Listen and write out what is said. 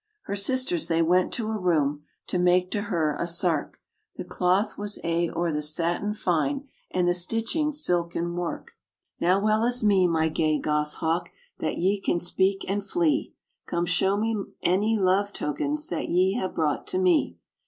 Her sisters they went to a room, To make to her a sark; The cloth was a' o' the satin fine, And the stitching silken wark. RAINBOW GOLD "Now well is me, my gay gos hawk, That ye can speak and flee! Come show me any love tokens That ye have brought to me."